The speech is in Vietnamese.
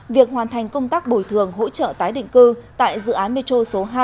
việc hoàn thành công tác bồi thường hỗ trợ tái định cư tại dự án metro số hai